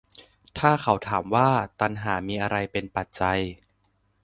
ถ้าเขาถามว่า ตัณหามีอะไรเป็นปัจจัย